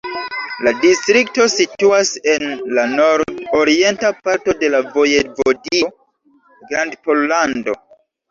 La distrikto situas en la nord-orienta parto de la vojevodio Grandpollando.